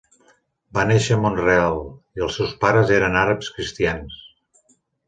Va néixer a Mont-real i els seus pares eren àrabs cristians.